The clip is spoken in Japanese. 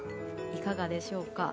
いかがでしょうか？